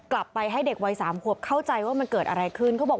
กลับไปให้เด็กวัยสามขวบเข้าใจว่ามันเกิดอะไรขึ้นเขาบอก